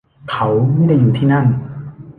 เขาไม่ได้อยู่ที่นั่น